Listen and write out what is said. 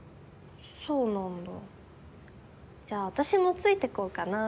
そうなんだじゃ私もついて行こうかな。